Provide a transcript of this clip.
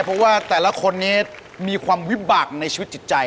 เพราะว่าแต่ละคนนี้มีความวิบากในชีวิตจิตใจ